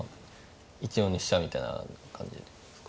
１四に飛車みたいな感じですか。